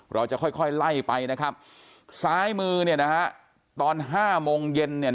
เราจะค่อยไล่ไปนะครับซ้ายมือตอนห้าโมงเย็น